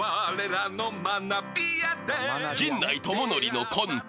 ［陣内智則のコント